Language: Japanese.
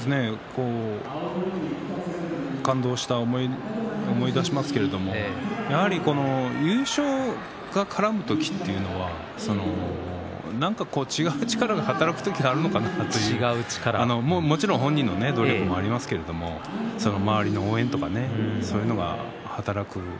感動したのを思い出しますけれどもやはり優勝が絡む時というのは何か違う力が働く時があるのかなともちろん本人の努力もありますけれども周りの応援とかねそういうのが働く。